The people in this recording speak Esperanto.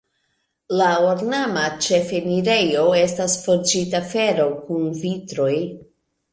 La ornama ĉefenirejo estas forĝita fero kun vitroj.